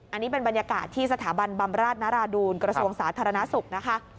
อันนี้เป็นบรรยากาศที่สถาบันบำราชนราดูลกระทรวงสาธารณสุขนะคะ